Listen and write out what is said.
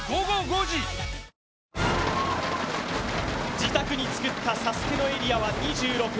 自宅に作ったＳＡＳＵＫＥのエリアは２６。